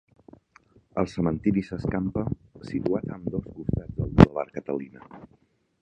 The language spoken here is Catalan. El cementiri s'escampa, situat a ambdós costats del bulevard Catalina.